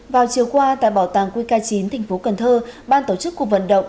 vào chiều qua tại bảo tàng qk chín tp cn ban tổ chức cuộc vận động